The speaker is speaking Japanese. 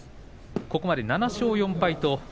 ここまで７勝４敗。